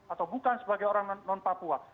atau bukan sebagai orang non papua